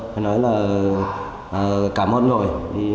phải nói là cảm ơn rồi